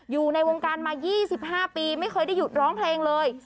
อยู่ในวงการมา๒๕ปีไม่เคยได้หยุดร้องเพลงเลย